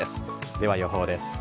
では予報です。